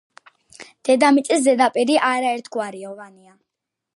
დედამიწის ზედაპირი არაერთგვაროვანია